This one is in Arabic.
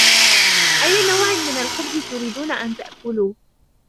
أي نوع من الخبز تريدون أن تأكلوا ؟